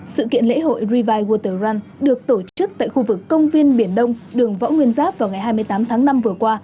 sự kiện lễ hội revie worter răn được tổ chức tại khu vực công viên biển đông đường võ nguyên giáp vào ngày hai mươi tám tháng năm vừa qua